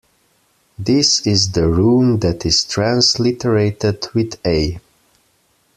This is the rune that is transliterated with A.